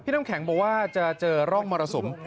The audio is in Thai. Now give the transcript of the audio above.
น้ำแข็งบอกว่าจะเจอร่องมรสุม